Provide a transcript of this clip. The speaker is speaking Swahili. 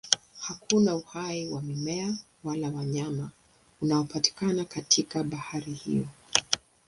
Hakuna uhai wa mimea wala wanyama unaopatikana katika bahari hiyo.